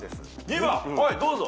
２番はいどうぞ。